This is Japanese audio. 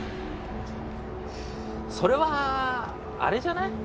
それはあれじゃない？